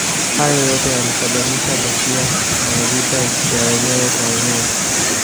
Hayo yote yalisababisha ghasia na vita ya wenyewe kwa wenyewe.